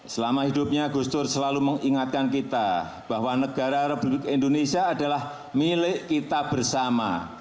selama hidupnya gus dur selalu mengingatkan kita bahwa negara republik indonesia adalah milik kita bersama